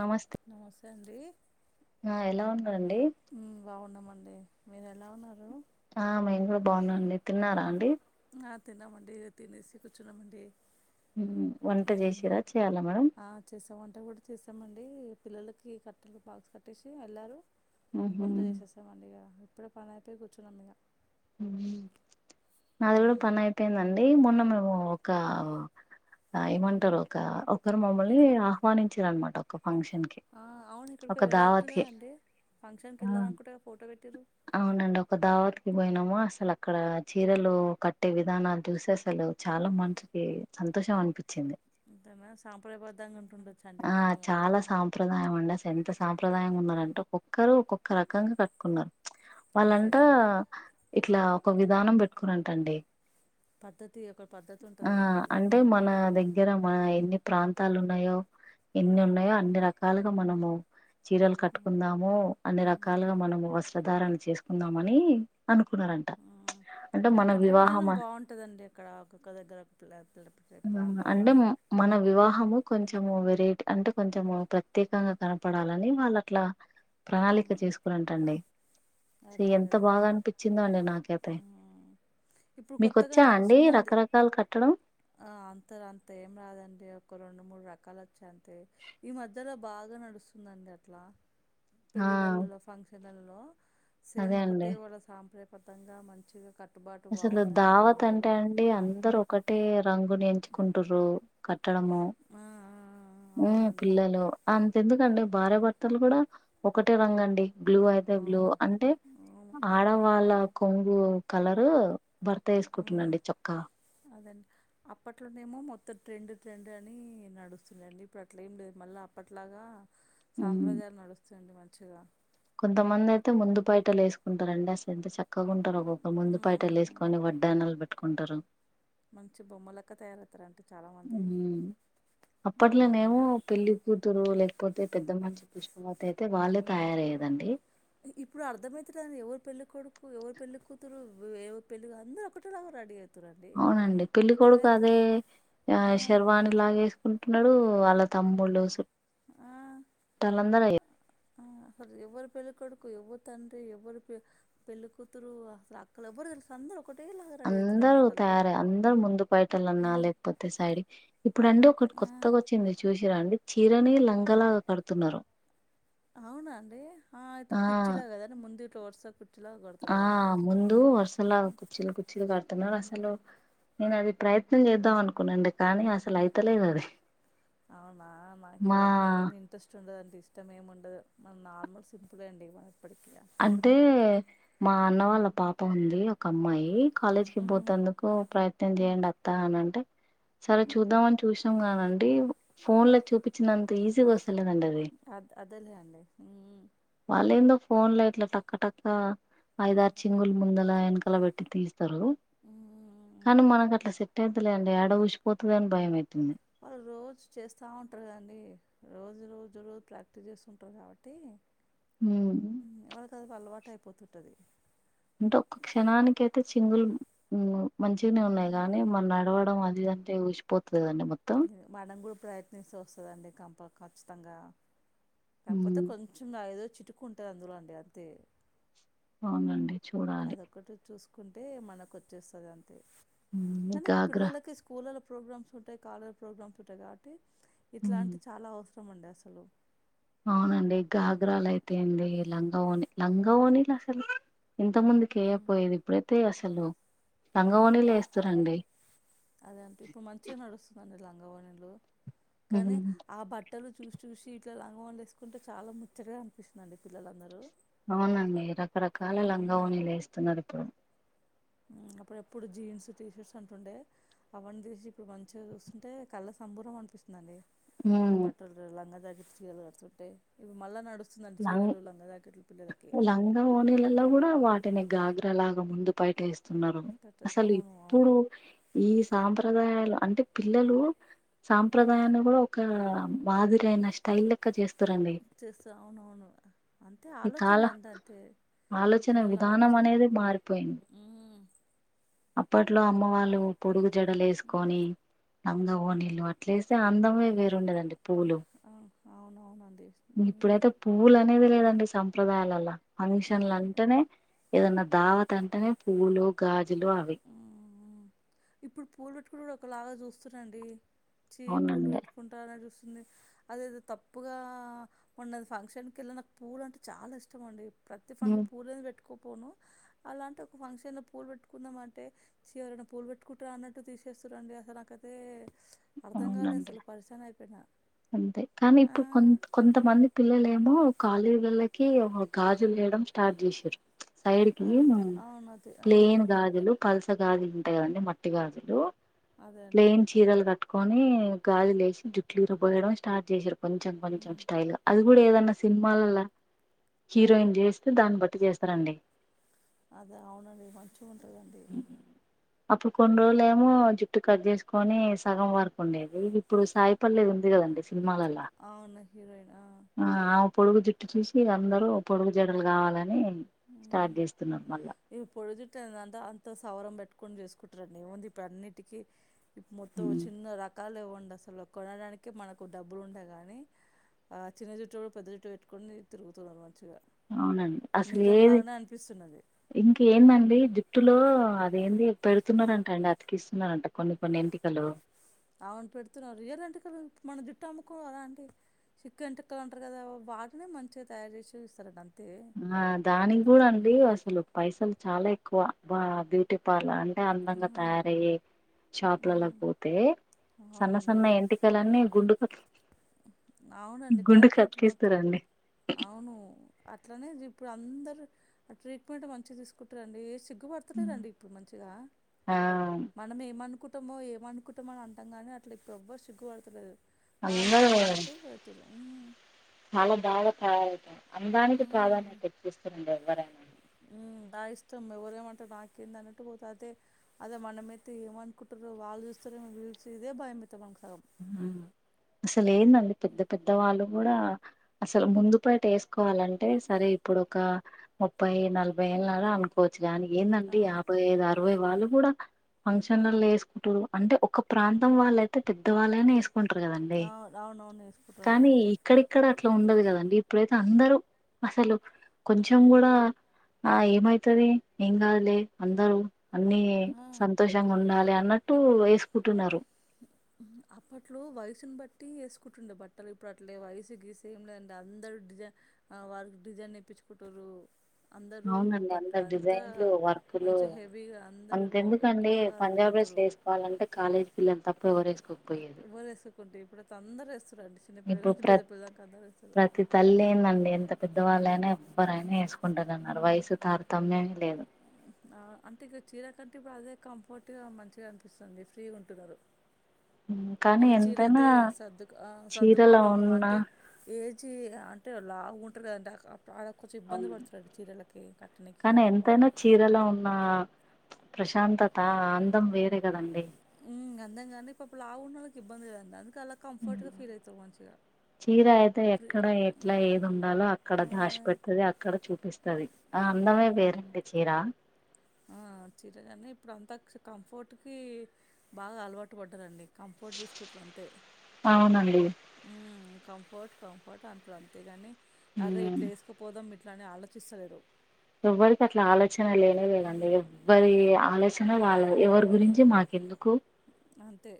నమస్తే నమస్తే అండి ఆ ఎలా ఉన్నారండి ఉమ్, బాగున్నామండి మీరు ఎలా ఉన్నారు ఆ మేము కూడా బాగున్నాండి తిన్నారా అండి తినమండి తినేసి కూర్చున్నామండి వంట ఉమ్, చేసిరా చేయాలా మేడమ్ ఆ, చేసాం వంట కూడా పిల్లలకి కట్టలు బాక్స్ కట్టేసి వెళ్ళారు ఉహు వంట చేసేస్తామండి ఇక ఇప్పుడే పని అయిపోయి కూర్చున్నాం ఇక హు నాది కూడా ఉమ్, పని అయిపోయిందండి మొన్న నువ్వు ఒక ఏమంటారు ఒక ఒకరు మమ్మల్ని ఇక్కడ ఆహ్వానించిరు అనమాట ఒక ఫంక్షన్ కి ఆ అవును ఎక్కడికో ఒక దావత్ వెళ్ళరనుకుంట కదా కి అండి ఫంక్షన్ వెళ్ళారు అనుకుంటా కదా ఫోటో పెట్టిరు అవునండి ఒక దావత్కు పోయినామా అసలు అక్కడ చీరలు కట్టే విధానాలు చూస్తే అసలు చాలా మంచి [unintelligible] అంతేనా సాంప్రదాయబద్ధంగా ఉంటుండొచ్చు అండి ఆ మొత్తము చాలా సాంప్రదాయం అండి అసలు యెంతస సాంప్రదాయం ఉన్నారంటే ఒక్కొక్కరు ఒక్కొక్క రకంగా కట్టుకున్నారు వాళ్ళంట అంతేనండి ఇట్లా ఒక విధానం పెట్టుకున్నరంటండి పద్ధతి ఒక పద్ధతి ఉంటది కదా వాళ్ళకు అంటే మన దగ్గర మన ఎన్ని ప్రాంతాలు ఉన్నయో ఎన్ని ఉమ్, ఉన్నయో అన్ని రకాలుగా మనము చీరలు కట్టుకుందాము అన్ని ఉమ్, రకాలుగా మనము వస్త్రధారణ చేసుకుందామని అనుకున్నారంట అంటే కని మన కట్టె వివాహం విధానం బాగుంటదండి అక్కడ ఒకక్క దగ్గర ఒక క్లాత్ అండి మన వివాహము కొంచము వెరైటీ అంటే కొంచము ప్రత్యేకంగా కనపడాలని వాళ్ళట్ల ప్రణాళిక చేస్కోరంటండి అదే అసలు అదే ఎంత బాగా అదేండి అనిపించిందో అండి నాకైతే ఇప్పుడు కొత్తగా మీకొచ్చా అండి నడుస్తుందండి రకరకాలు కట్టడం ఆ, అంత అంత ఏం రాదండి ఒక రెండు మూడు రకాలు వచ్చి అంతే ఈ మధ్యల బాగా నడుస్తుందండి అట్లా ఆ పెళ్ళిలల్లో ఫంక్షన్లలల్లో సేమ్ అదే అండి ఒకటే వాళ్ళ సాంప్రదాయబద్దంగా మంచిగా క అసలు దావత్ అంటే అండి అందరు ఒకటే రంగుని ఎంచుకుంటుర్రు క కట్టడము ఆ, ఆ, ఆ, అవునండి పిల్లలు అంతెందుకండి భార్య భర్తలు కూడా ఒకటే రంగు అండి బ్లూ అయితే బ్లూ అవును అంటే అవును ఆడవాళ్ళ కొంగు కలరు భర్త ఉమ్. వేసుకుంటున్నరండి చొక్కా అదండి అప్పట్లోనేమో మొత్తం ట్రెండ్ ట్రెండ్ అని నడుస్తుండే అండి ఇప్పుడు అట్లా ఏం లేదు మళ్ళీ అప్పట్లాగా సాంప్రదాయాలు నడుస్తుందడే మంచిగా కొంతమందయితే ముందు పైటలు వేసుకుంటరండి అసలు ఎంత చక చక్కగుంటారు ఒక్కొక్కరు ముందు పైటలు ఉమ్, వేసుకొని వడ్డానాలు పెట్టుకుంటరు మంచి బొమ్మలెక్క తయారయితరు అండి ఉమ్. అప్పట్లననేమో పెళ్లి కూతురు లేక లేకపోతే పెద్ద మనిషి పుష్పవతి అయితే వాళ్ళే తయారయ్యేదండీ ఇప్పుడు అర్థమైతలే అండి ఎవరు పెళ్ళి కొడుకు ఎవరు పెళ్ళ కూతురు ఎవరి పెళ్లి అందరు ఒకటేలాగ రెడీ అవుతున్నరు అవునండి పెళ్లికోడుకు అదే ఆ శర్వాని లాగ వేసుకుంటున్నాడు వాళ్ళ తమ్ముడ్లు సుట్టాలందరు అయ్యే ఆ ఎవరు పెళ్ళికొడుకు ఎవరు తండ్రి ఎవరు పెళ్లికూతురు అసలు అక్కడ ఎవరు సందు అం అందరు తయారై అందరు ముందు పైటలు అన్నా లేకపోతే సైడ్ ఇప్పుడు అండి ఒకటి ఆ కొత్తగా వచ్చింది చూసిర్ర అండి చీరని లంగలాగా కడుతున్నారు అవునా అండి ఆ అయితే కుచ్చీలు కదండి ముందు వరుస కు ఆ ముందు వర్సలాగా కుచ్చిల్లు కుచ్చిల్లు కడుతున్నారు మ్మ్. అసలు నేను అది ప్రయత్నం చేద్దాం అనుకున్నానండీ కానీ అసలు అయితలేదు అది అవునా మా నాకవన్ని ఏమి ఇంట్రెస్ట్ ఉండదండి ఇష్టం ఏమి ఉండదు మన నార్మల్ సింపులే అండి మనది అంటే మా అన్న వాళ్ళ పాప ఉంది ఒక అమ్మాయి కాలేజీకి ఉహు పోతందుకు ప్రయత్నం చేయండి అత్తా అనంటే సరే చూద్దామని చూసినాం కానీ అండి ఫోన్ లో చూపించినంత ఈజీగా వస్తు అద అదెలే అండి ఉ వాళ్ళేందో ఫోన్ లో ఇట్లా టక్క టక్క ఐదారు చింగులు ముందల వెనకల పెట్టి తీసి స్తారు మ్మ్. కానీ మనకు అట్లా సెట్ అయతులేండి ఆడ ఊసిపోతదో అని భయం అయితుంది వాళ్ళు రోజు చేస్తూ ఉంటారు కదండి రోజు రోజు రోజు ప్రాక్టీస్ చేస్తుూంటారు కాబట్టి ఉమ్, వాళ్ళకు ఆది అలవాటు అయిపోతుంటది అంటే ఒక్క క్షణానికి అయితే చింగులు మంచిగానే ఉన్నాయి కానీ మన నడవడం అది అంతే ఉసిపోతుంది కదా మొత్తం ప్రయత్నిస్తే వస్తదండి కప ఖచ్చితంగా కాకపోతే ఉమ్, కొంచెం నా ఏదో చిటుకు ఉంటది అందులో అండి అంతే అవునండి చూడాలి అదొక్కటి చూసుకుంటే మనకు వచ్చేస్తది అం అంతే ఉమ్, కానీ ఇప్పుడు గాగ్రా పిల్లలకి స్కూళ్లో ప్రోగ్రామ్స్ ఉంటాయి కాలేజీల ప్రోగ్రామ్స్ ఉంటాయి కాబట్టి ఉమ్. ఇట్లాంటి చాలా అవసరం అండి అసలు అవునండి గాగ్రాలు అయితే ఏంది లంగా ఓణి లంగా ఓనీలు అసలు ఇంత ముందుకి ఉమ్. వేయకపోయేది ఇప్పుడైతే అసలు లంగవోణిలు వేస్తారండి అదే అంటే ఇప్పుడు మంచిగా నడుస్తుంది అండి లంగా ఓణీలు కానీ ఆ బట్టలు చూసి చూసి పిల్లలు లంగా ఓణీలు వేసుకుంటే చాల ముచ్చటగా అనిపిస్తుందిండి పిల్లలందరూ అవునండి రకరకాల లంగా ఉమ్, ఓణీలు వేస్తున్నారు ఇప్పుడు ఉమ్, అప్పుడు ఎప్పుడు జీన్స్ టీ షర్ట్స్ అంటుండే అవన్నీ తీసి ఇప్పుడు మంచిగా చూస్తుంటే కళ్ళ సంభూరం అనిపి నండి ఆ ఉమ్ బట్టలు లంగా జాకిట్లు చీరాలు కడుతుంటే ఇవి మళ్ళా నడు లంగ్ లంగా ఓణిలలో కూడా వాటి వాటిని గగ్ర లాగా ముందు పైట వేస్త స్తున్నారు పెట్టేసి అసలు అవును అవును ఇప్పుడు ఈ సాంప్రదాయాలు అంటే పిల్లలు సాంప్రదాయాన్ని కూడా ఒక మదిరైన స్టైల్ లెక్క చేస్తరండి చేస్తా అవును అవును అంతే ఆలోచనలు అంతే అంతే ఆలోచన పిల్లల విధానం ఆలోచనలు అనేది మారిపోయింది ఊ అప్పట్లో అమ్మ వాళ్ళు పొడుగు జడలు వేసుకొని లంగా ఓణీలు అట్లస్తే అందమే వేరుండేదండి పూలు అవునవును అండి ఇప్పుడైతే పువ్వులు అనేది లేదండి సంప్రదాయాలల్లా పంక్షన్లు అవును అంటేనే ఏదన్నా దావత్ అంటేనే పూలు గాజులు అవి మ్మ్ ఇప్పుడు పూలు పెట్టుకుంటే కూడా ఒకలాగా చూస్తున్నారు అండి చి పూలు అవునండి పెట్టుకుంటారా అని చూస్తు వుంది అదేది తప్పుగా మొన్న ఫంక్షన్కి వెళ్ళిన నాకు పూలు అంటే చాలా ఇష్టం అండి ప్రతి పంక్షన్ కి పూలు పెట్టు పోను అలాంటి ఒక ఫంక్షన్ లో పూల్ పెట్టుకుందాం అంటే చి ఎవరన్న పూల్ పెట్టు కుట్రా అన్నట్టు తీసేస్తరండి అసలు నాకైతే అర్థం కాలే అవునండి అసలు పరేషాన్ అయిపోయిన అంతే కానీ ఇప్పుడు కొ కొంతమంది పిల్లలు ఏమో కాలేజీ వోళ్లకి గాజులు చేయడం స్టార్ట్ చేసిర్రు సైడ్ కి అదే అదే అవును అదే ఆ, ప్లేన్ గాజలు పల్స గాజులు ఉంటాయి కదండి మట్టి గాజులు అదే అండి ప్లయిన్ చీరలు కట్ కోని గాజులు లేసి జుట్లు విరాబోయడం స్టార్ట్ చేసిర్రు కొంచెం కొంచెం ఉమ్, స్టైల్ గా అది కూడా ఏదన్నా సినిమాలలో హీరోయిన్ చేస్తే దాన్ని బట్టి చేస్తారండి అద అవునండి మంచిగా ఉంటది అండి అప్పుడు కొన్ని రోజులు ఏమో జుట్టు కట్ చేసుకని సగం వరకు ఉండేది ఇప్పుడు సాయి పల్లవి ఉంది కదండి సినిమాలల్లో అవును హీరోయిన్ ఆ, ఆ పొడుగు జుట్టు చూసి అందరు పొడుగు జడలు కావాలని స్టార్ట్ ఉమ్. చేస్తున్నారు మళ్ళా ఇవి పొడుగు జుట్టు అంత సవరం పెట్టుకని చేసుకుంటారండి ఏమంది ఇప్పుడు అన్నిటికీ మొత్తం ఉమ్, చిన్న రకాలు ఇవ్వండి అసలు కొనడానికి మనకు డబ్బులు ఉండే కానీ ఆ చిన్న జుట్టు కూడా పెద్ద జుట్టు పెట్టుకొని తిరుగుతది మంచిగా అవునండి అసలు ఏది నిజంలాగానే అనిపిస్తున్నది ఇంకా ఏందండి జుట్టులో అదేంది పెడుతున్నారంట అండి అతికిస్తున్నారంట కొన్ని కొన్ని ఎంటికలు అవును పెడుతున్నారు రియలంట కదా మన జుట్టు అమ్మకు అలాంటి చిక్కే ఎంటీకలు అంటారు కదా వాటినే మంచిగా తయారు చేసి ఇస్తార అంట ఆ దానికి కూడా అండి అసలు పైసలు చాలా ఎక్కువ బా బ్యూటీ పార్లర్ అ టె అందంగా ఉమ్, తయారయ్యే షాప్లలోకి ఉమ్, పోతే సన్న అవునండి సన్న ఎంటికలన్నీ గుండుక అవునండి కరెక్ట్ ఏ ఇప్పుడు మొత్తం కతికిస్తారండి అవును అట్లనే ఇప్పుడు అందరు ఆ ట్రీట్మెంట్ మంచిగా తీసుకుంటారండి ఏసి పడుతలేదండి ఇప్పుడు మంచిగా ఆ మనం ఏమనుకుం టమో ఏమనుకుంటమో అని అంటాం కానీ అట్లా ఇప్పుడు ఎవ్వరు సిగ్గు పడతలేదు ఏం రా మన్నట్టు వెలుతుర్రు చాలా బాగా తయారవుత అందానికి మ్మ్ ప్రాధాన్యత ఎక్కువ ఇస్తున్నారండీ ఎవ్వరైనా మ్మ్ నా ఇష్టం ఎవరేమంట నాకేంద అన్నట్టు పోతా అదే మనమైతే ఏమనుకుంటారా వాళ్ళు నాకు తెలిసి ఇదే భయం పెట్ ఉమ్ అసలు ఏందండి పెద్ద పెద్దవాళ్ళు కూడా అసలు ముందు పైట వేసుకోవాలంటే సరే ఇప్పుడు ఒక ముప్పై నలభై అనుకోవచ్చు కానికి ఆ ఏందండి యాభై ఐదు అరవై వాళ్ళు కూడా ఫంక్షన్ హాల్లో వేసు కుంటు అంటే ఒక ప్రాంతం వాళ్ళ అయితే పెద్ద వాళ్ళైన వేసుకుంటారు కదండి ఆ, అవునవును వేసుకుంటారండి కానీ ఇక్కడిక్కడ అట్లా ఉండదు కదండి ఇప్పుడైతే అందరూ అసలు కొంచెం కూడా ఆ ఏమయితది ఏం కాదులే అందరు అన్ని ఆ సంతోషంగా ఉండాలి అన్నట్టు వేసుకుంటున్నారు అప్పట్లో వయసుని బట్టి వేసుకుంటుండే బట్టలు ఇప్పుడు అట్లే వయసు గీసు ఏం లేదండి అందరు డిజై వారికి డిజైన్ ఏపించుకుంటుర్రు అందరూ అవునండి పట్టు అందరు అంతా డిజైన్లు వర్కులు మంచిగా హెవీగా అందరు ఎక్కువగా రెడీ అయితుర్రు చేసుకోవాలంటే కాలేజీ పిల్లలు తప్ప ఎవరే ఎవ్వరు ఏసుకోకుంటే ఇప్పుడు అయితే అందరూ ఏసు ఇప్పుడు ప్రత ప్రతి తల్లి ఏందండి ఎంత పెద్దవాళ్ళ అయినా ఎవ్వరైనా వేసుకుంటారన్నారు వయసు తారతమ్య ఏమి లేదు ఆ అంటే ఇక చీర కంటే ఇప్పుడు అదే కంఫర్ట్గా మంచిగా అనిపిస్తుంది ఫ్రీగా ఉంటన్నారు అ ఇక చేరైతే సర్దు ఆ చీరలో సర్దుకోవడము ఉన్న అంటే ఏజీ అంటే తే లావు గుంటరు కదా అంటే ఆ బాగా కొంచెం ఇబ్బంది పడుతరండి చీరలకి కట్టడానికి పాపం ప్చ్ ప్రశాంతత ఆ అందం వేరే కదండి ఉమ్ అన్నాం కానీ పాపం లావు ఉన్నవాళ్ళకి ఇబ్బంది లేదు అందు అలా కంఫర్ట్గా ఫీల్ అవుతారు మంచిగా చీర అయితే ఫ్రీ ఎక్కడ ఎట్లా ఏది ఉండాలో అక్కడ ఆ, దాచి పెడుతది అక్కడ చూపిస్తది అందమే మ్మ్. వేరండి చీరా ఆ చీరగానే ఇప్పుడు అంతా కంఫర్ట్ కి బాగా అలవాటు పడ్డారండి కంఫర్ట్ చూసుకుంటరు అంతే అవునండి ఉమ్ కంఫర్ట్ కంఫర్ట్ అంటారు అంతేగాని అరే ఇట్లా ఉమ్ వేసుకుపోదాం ఇట్లా అని ఆలోచిస్తలేరు ఎవ్వరికి అట్లా ఆలోచన లేనే లేదండి ఎవ్వరి మ్మ్. ఆలోచనలు వాళ్ళవి ఎవరి గురించి మాకెందు కు అంతే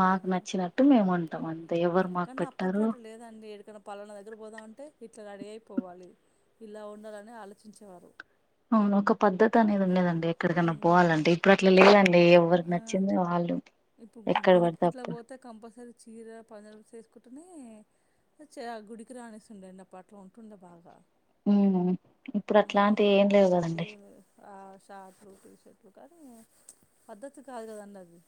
ఆ మాకు నచ్చినట్టు మేము ఉంటాం అంతే ఎవరు మాకు కానీ అప్పట్లో పెట్టారు అట్లా లేదండి ఎడికన్నా పలానా దగ్గర పోతా ఉంటే ఇట్లా రెడీ అయిపోవాలి ఇలా ఉండాలని ఆలోచించేవారు అవును ఒక పద్దతి అనేది ఉండేదండి ఎక్కడికన్నా ఉమ్ పోవాలంటే ఇప్పుడు అట్లా లేదండి లే ఎవరికి ఆ నచ్చింది వాళ్ళు ఇప్పుడు ఎక్కడ గుగుడికి పడితే ఇట్లా అప్పుడు పోతే కంపల్సరీ చీర పంజాబి డ్రెస్ ఏసుకుంటనే చ గుడికి రానిస్తుండే అని అప్పట్లో ఉంటుండే బాగా. ఉ ఇప్పుడు ఉమ్ అట్లాంటివి ఏం లేవు కదండి. షార్ట్ లు, టీషర్ట్ లు కానీ పద్ధతి కాదు కదండి అది.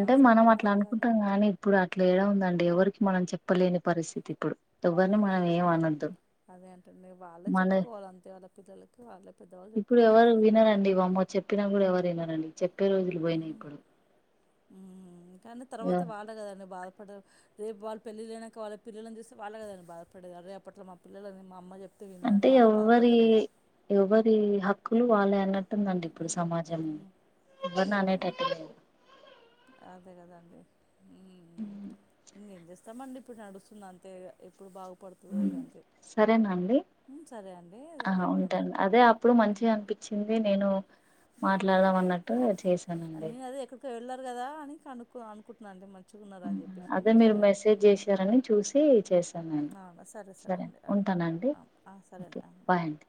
మన మనం అట్లా సాంప్రదాయం కాదు అనుకుంటాం కానీ ఇప్పుడు అట్లా ఏడా ఉందండి. ఎవరికి మనం చెప్పలేని పరిస్థితి ఇప్పుడు. ఎవ్వరిని మనం ఏం ఉమ్ అనొద్దు. అదే అంటున్నా వాళ్ళే మన చెప్పుకోవాలి అంతే వాళ్ళ పిల్లలకి వాళ్ళే పెద్దవాళ్ళు ఇప్పుడు చెప్పుకోవాలి ఎవరు అంతే. వినరండి వామ్మో చెప్పినా కూడా ఎవరు వినరండి చెప్పే రోజులు పోయినయి ఇప్పుడు. ఉ కానీ తర్వాత ఆ వాళ్ళే కదండి బాధ పడరు రేపు వాళ్ళ పెళ్ళిలైనంకా వాళ్ళ పిల్లని చూస్తే వాళ్ళే కదండి బాదపడేది, అర్రే అపట్లో మా పిల్లని మా అమ్మ చెపి అంటే ఎవ్వరి ఎవ్వరి హక్కులు వాళ్ళయి అన్న ట్టు ఉందండి ఇప్పుడు ఉమ్ సమాజం ఉమ్ ఎవర్ని అనేటట్టులేదు. అదే కదండి హ్. హ్ ఇంగేం చేస్తామండి ఇప్పుడు నడుస్తుంది అంతే ఇగా ఇప్పుడు బాగు సరేనా అండి. ఉమ్ సరే అండి ఆ ఉంటాను ధన్యవాదములండి అదే అప్పుడు మంచిగా అనిపించింది అది నేను ఉమ్ మాట్లాడదాం అన్నట్టు చేశానండి. వెళ్ళరు కదా అని కనుకు అనుకుంటున్నా అండి మంచి అదే మీరు మెసేజ్ చేశారని చూసి చేసాను నేను సరే ఉంటా నండి ఓకే బాయ్ అండి.